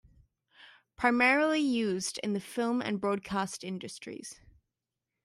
Primarily used in the film and broadcast industries.